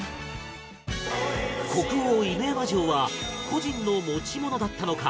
国宝、犬山城は個人の持ち物だったのか？